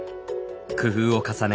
工夫を重ね